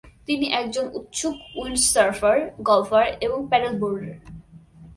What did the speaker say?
তিনি একজন উৎসুক উইন্ডসার্ফার, গল্ফার এবং প্যাডেলবোর্ডার।